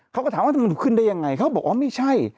เขาก็ถามว่ามันขึ้นได้ยังไงเขาบอกว่าไม่ใช่